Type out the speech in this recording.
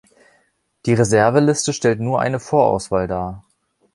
Die Reserveliste stellt nur eine Vorauswahl dar.